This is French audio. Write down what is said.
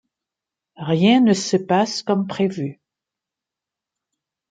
Rien ne se passe comme prévu.